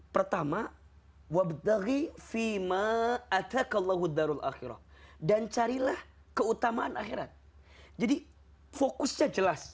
pertama wa b'daghi fima atakallahu dharul akhirah dan carilah keutamaan akhirat jadi fokusnya jelas